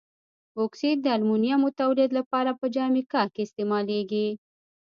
بوکسیت د المونیمو تولید لپاره په جامیکا کې استعمالیږي.